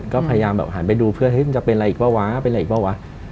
ก็พยายามแบบหันไปดูเพื่อนเฮ้ยมันจะเป็นอะไรอีกป่ะวะเป็นอะไรอีกเปล่าวะ